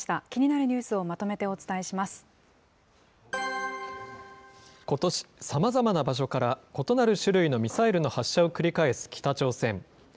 気になるニュースをまとめてお伝ことし、さまざまな場所から、異なる種類のミサイルの発射を繰り返す、北朝鮮。